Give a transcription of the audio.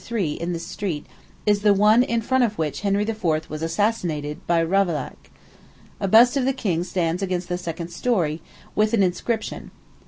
3, in this street, is the one in front of which Henry IV. was assassinated by Ravaillac. A bust of the king stands against the second story, with an inscription.